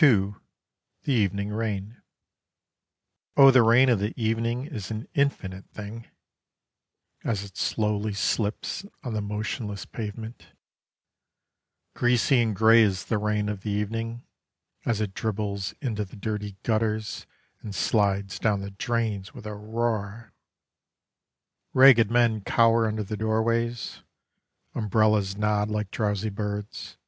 II THE EVENING RAIN O the rain of the evening is an infinite thing, As it slowly slips on the motionless pavement; Greasy and grey is the rain of the evening, As it dribbles into the dirty gutters And slides down the drains with a roar! Ragged men cower Under the doorways: Umbrellas nod like drowsy birds.